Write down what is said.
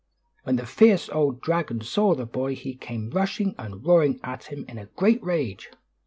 When the fierce old dragon saw the boy, he came rushing and roaring at him in a great rage.